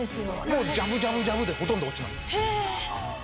もうジャブジャブジャブでほとんど落ちます。